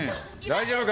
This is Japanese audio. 大丈夫？